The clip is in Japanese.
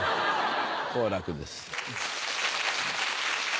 好楽です。